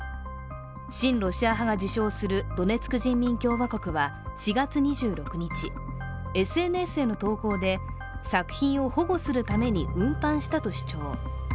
親ロシア派が自称するドネツク人民共和国は４月２６日、ＳＮＳへの投稿で作品を保護するために運搬したと主張。